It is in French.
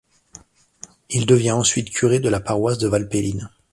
Il devient ensuite curé de la paroisse de Valpelline.